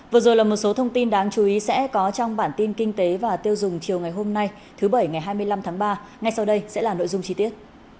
vừa rồi là một số thông tin đáng chú ý sẽ có trong bản tin kinh tế và tiêu dùng chiều ngày hôm nay thứ bảy ngày hai mươi năm tháng ba ngay sau đây sẽ là nội dung chi tiết